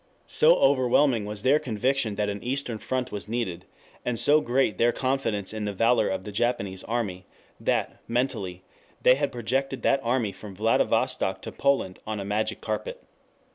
So overwhelming was their conviction that an eastern front was needed, and so great their confidence in the valor of the Japanese army, that, mentally, they had projected that army from Vladivostok to Poland on a magic carpet.